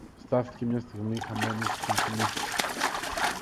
Στάθηκε μια στιγμή, χαμένος στις ενθυμήσεις του